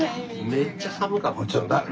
めっちゃ寒かった。